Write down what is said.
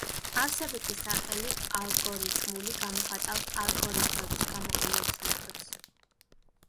არსებითი სახელი „ალგორითმული“ გამოხატავს ალგორითმების გამოყენების მეთოდს.